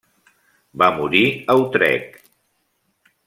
Va morir a Utrecht.